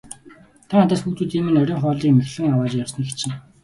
Та надаас хүүхдүүдийн минь оройн хоолыг мэхлэн аваад явсныг чинь.